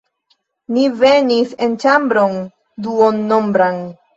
Ni venis en ĉambron duonombran.